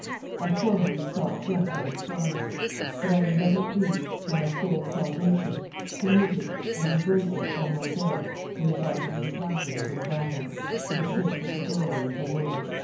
I formerly sought death amidst arms; but I am better pleased, for my soul's salvation, to meet it and embrace it on my bed than if I had encountered it in battle, for the sake of the glory of the world."